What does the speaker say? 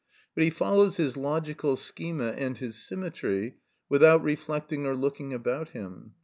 But he follows his logical schema and his symmetry without reflecting or looking about him.